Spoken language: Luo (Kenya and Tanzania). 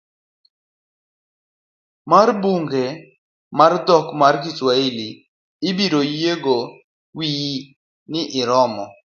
Mar buge mag dhok mar Kiswahili ibiro yiengo wiyi ni iromo.